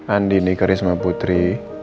andi nika risma putri